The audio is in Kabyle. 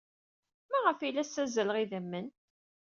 Maɣef ay la ssazzaleɣ idammen?